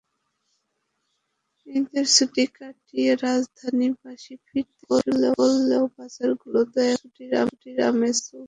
ঈদের ছুটি কাটিয়ে রাজধানীবাসী ফিরতে শুরু করলেও বাজারগুলোতে এখনো ছুটির আমেজ চলছে।